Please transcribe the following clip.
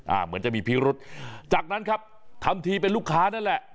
เหมือนจะมีพิรุษจากนั้นครับทำทีเป็นลูกค้านั่นแหละ